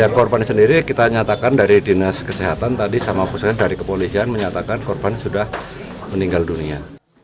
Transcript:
ya korban sendiri kita nyatakan dari dinas kesehatan tadi sama pusat dari kepolisian menyatakan korban sudah meninggal dunia